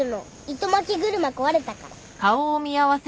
糸まき車壊れたから。